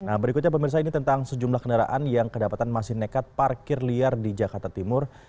nah berikutnya pemirsa ini tentang sejumlah kendaraan yang kedapatan masih nekat parkir liar di jakarta timur